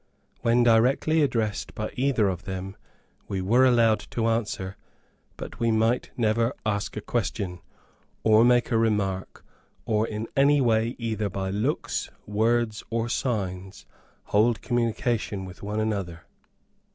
When directly addressed by either of them we were allowed to answer; but we might never ask a question, or make a remark, or in any way, either by looks, words, or signs, hold communication with each other.